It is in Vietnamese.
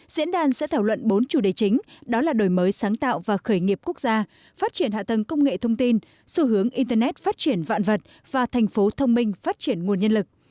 diễn đàn sẽ thảo luận bốn chủ đề chính đó là đổi mới sáng tạo và khởi nghiệp quốc gia phát triển hạ tầng công nghệ thông tin xu hướng internet phát triển vạn vật và thành phố thông minh phát triển nguồn nhân lực